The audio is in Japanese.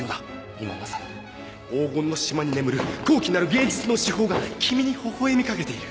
今まさに黄金の島に眠る高貴なる芸術の至宝が君にほほ笑みかけている。